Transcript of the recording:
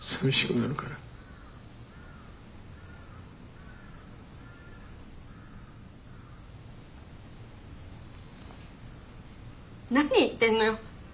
なに言ってんのよ。